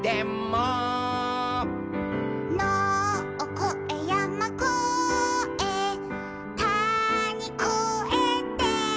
「のをこえやまこえたにこえて」